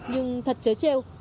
nhưng thật chơi trêu